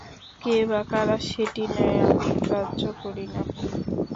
কে বা কারা সেটি নেয়, আমি গ্রাহ্য করি না।